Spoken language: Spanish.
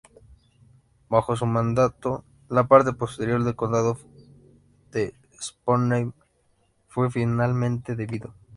Bajo su mandato, la parte posterior del Condado de Sponheim fue finalmente dividido.